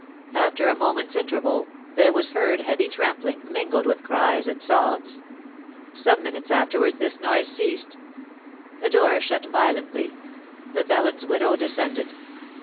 After a moment's interval, there was heard heavy trampling, mingled with cries and sobs. Some minutes afterwards this noise ceased. A door shut violently; the felon's widow descended.